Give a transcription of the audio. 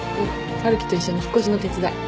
春樹と一緒に引っ越しの手伝い。